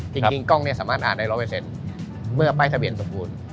จริงกล้องเนี่ยสามารถอ่านได้๑๐๐เมื่อป้ายทะเบียนสมบูรณ์